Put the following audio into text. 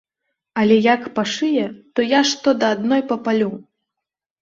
Але як пашые, то я што да адной папалю!